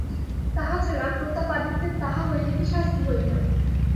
তাহা ছাড়া, প্রতাপাদিত্যের তাহা হইলে কী শাস্তি হইল?